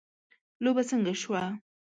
لوبه څنګه شوه